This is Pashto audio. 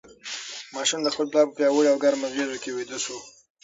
ماشوم د خپل پلار په پیاوړې او ګرمه غېږ کې ویده شو.